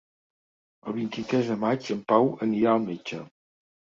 El vint-i-tres de maig en Pau anirà al metge.